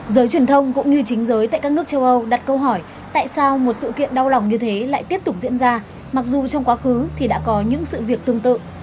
giới truyền thông cũng như chính giới tại các nước châu âu đặt câu hỏi tại sao một sự kiện đau lòng như thế lại tiếp tục diễn ra mặc dù trong quá khứ thì đã có những sự việc tương tự